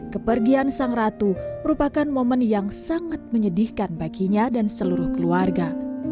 kepergian sang ratu merupakan momen yang sangat menyedihkan baginya dan seluruh keluarga